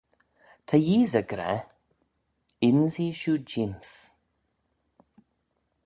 "Ta Yeesey gra ""ynsee shiu jeem's""."